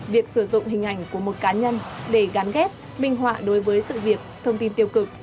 việc sử dụng hình ảnh của một cá nhân để gắn ghép minh họa đối với sự việc thông tin tiêu cực